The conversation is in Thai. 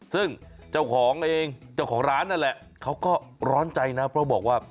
ซึ่งเจ้าของเองเจ้าของร้านนั่นแหละเขาก็ร้อนใจนะเพราะบอกว่า